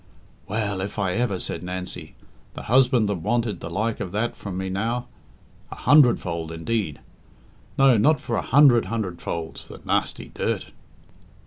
"Well, if I ever!" said Nancy. "The husband that wanted the like of that from me now.... A hundredfold, indeed! No, not for a hundred hundredfolds, the nasty dirt."